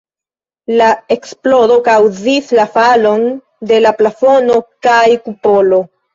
La eksplodo kaŭzis la falon de la plafono kaj kupolo.